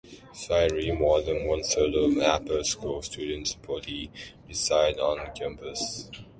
Slightly more than one-third of the Upper School student body reside on campus.